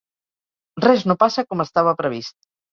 Res no passa com estava previst.